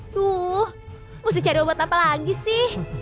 aduh mesti cari obat apa lagi sih